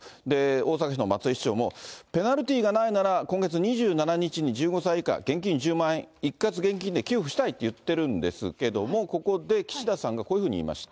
大阪市の松井市長もペナルティーがないなら、今月２７日に１５歳以下、現金１０万円、一括現金で給付したいって言ってるんですけど、ここで、岸田さんがこういうふうに言いました。